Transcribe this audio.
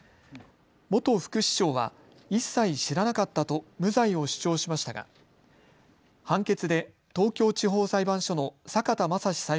元副市長は一切知らなかったと無罪を主張しましたが判決で東京地方裁判所の坂田正史